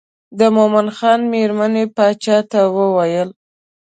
د مومن خان مېرمنې باچا ته وویل.